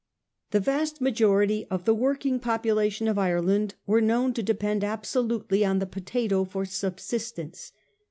The vast majority of the working population of Ireland were known to depend absolutely on the potato for subsistence.